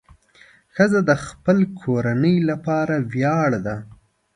ښځه د خپل کورنۍ لپاره ویاړ ده.